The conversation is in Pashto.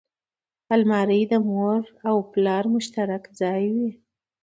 الماري د مور او پلار مشترک ځای وي